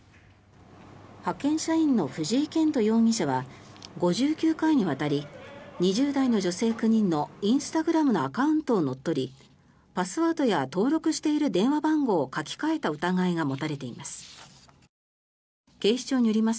派遣社員の藤井健人容疑者は５９回にわたり２０代の女性９人のインスタグラムのアカウントを乗っ取りパスワードや登録している電話番号を書き換えた疑いが持たれています。